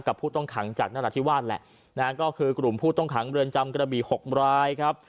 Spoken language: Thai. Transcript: ผู้ต้องขังจากนราธิวาสแหละนะฮะก็คือกลุ่มผู้ต้องขังเรือนจำกระบี่๖รายครับ